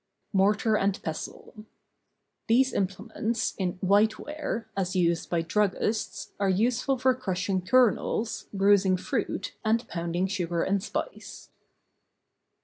MORTAR AND PESTLE. These implements, in white ware, as used by drug¬ gists, are useful for crushing kernels, bruising fruit and pounding sugar and spice.